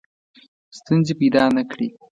ستونزې پیدا نه کړي.